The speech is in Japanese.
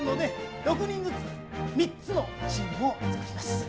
６人ずつ３つのチームを作ります。